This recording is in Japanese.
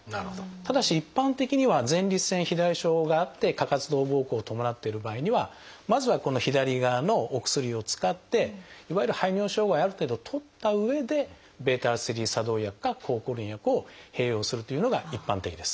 ただし一般的には前立腺肥大症があって過活動ぼうこうを伴っている場合にはまずはこの左側のお薬を使っていわゆる排尿障害をある程度取ったうえでβ作動薬か抗コリン薬を併用するというのが一般的です。